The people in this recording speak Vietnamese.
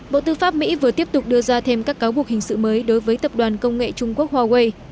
bộ tư pháp mỹ vừa tiếp tục đưa ra thêm các cáo buộc hình sự mới đối với tập đoàn công nghệ trung quốc huawei